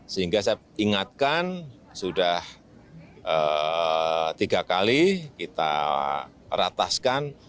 sehingga saya ingatkan sudah tiga kali kita rataskan